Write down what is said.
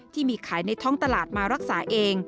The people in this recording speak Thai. ที่มีขายในท้องตลาดมารักษาเอง